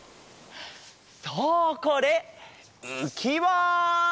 そうこれうきわ！